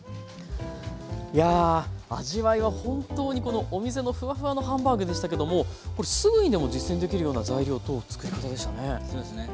いや味わいは本当にお店のフワフワのハンバーグでしたけどもこれすぐにでも実践できるような材料と作り方でしたね。